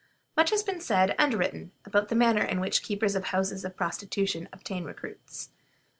Much has been said and written about the manner in which the keepers of houses of prostitution obtain recruits.